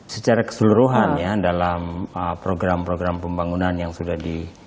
secara keseluruhan ya dalam program program pembangunan yang sudah di